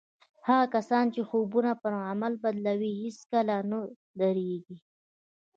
هغه کسان چې خوبونه پر عمل بدلوي هېڅکله نه درېږي.